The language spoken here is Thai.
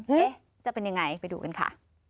จะเป็นยังไงไปดูกันค่ะ